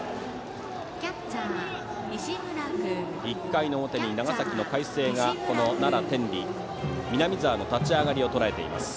１回の表に長崎の海星が奈良・天理、南澤の立ち上がりをとらえています。